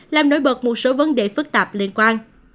làm nổi bật một số vấn đề phức tạp liên quan